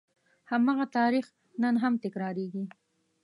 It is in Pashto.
هماغه تاریخ نن هم تکرارېږي.